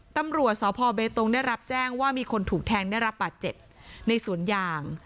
ตำรวจสพเบตงได้รับแจ้งว่ามีคนถูกแทงได้รับบาดเจ็บในสวนยาง